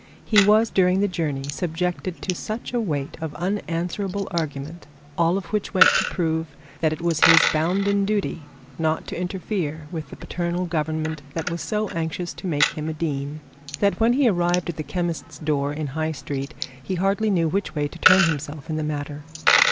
He was, during the journey, subjected to such a weight of unanswerable argument, all of which went to prove that it was his bounden duty not to interfere with the paternal government that was so anxious to make him a dean, that when he arrived at the chemist's door in High Street, he barely knew which way to turn himself in the matter.